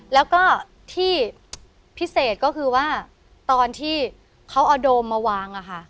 แล้วก็ที่พิเศษก็คือว่าตอนที่เขาเอาโดมมาวาง